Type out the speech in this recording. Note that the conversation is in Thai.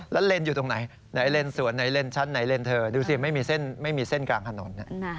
แล้วเลนส์อยู่ตรงไหนไหนเลนสวนไหนเลนชั้นไหนเลนเธอดูสิไม่มีเส้นไม่มีเส้นกลางถนน